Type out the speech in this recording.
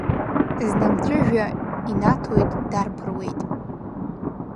Зны амҵәыжҩа инаҭоит, дарԥыруеит.